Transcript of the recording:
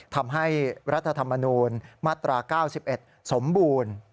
ทำให้รัฐธรรมนูญมาตรา๙๑สมบูรณ์